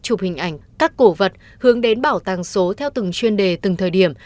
chụp hình ảnh các cổ vật hướng đến bảo tàng số theo từng chuyên đề từng thời điểm